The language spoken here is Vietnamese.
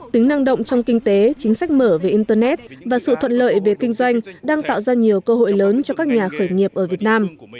tính năng động trong kinh tế chính sách mở về internet và sự thuận lợi về kinh doanh đang tạo ra nhiều cơ hội lớn cho các nhà khởi nghiệp ở việt nam